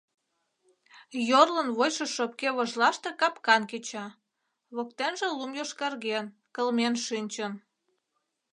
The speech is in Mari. Йорлын вочшо шопке вожлаште капкан кеча, воктенже лум йошкарген, кылмен шинчын.